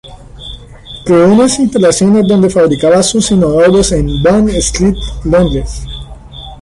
Creó unas instalaciones donde fabricaba sus inodoros en Bond Street, Londres.